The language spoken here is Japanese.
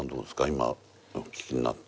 今お聞きになって。